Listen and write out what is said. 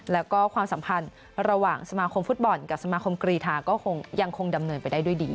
แล้วก็ความสัมพันธ์ระหว่างสมาคมฟุตบอลกับสมาคมกรีธาก็คงยังคงดำเนินไปได้ด้วยดี